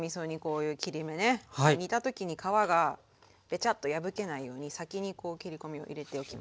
煮た時に皮がベチャッと破けないように先にこう切り込みを入れておきます。